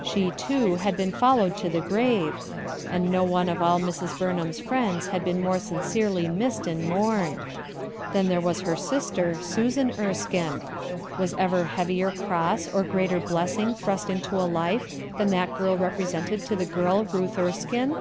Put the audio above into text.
She too had been followed to the grave, and no one of all Mrs. Burnham's friends had been more sincerely missed and mourned. Then there was her sister, Susan Erskine. Was ever heavier cross or greater blessing thrust into a life than that girl represented to the girl Ruth Erskine?